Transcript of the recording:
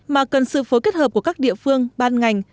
mà cần sự phối kết hợp của các địa phương ban ngành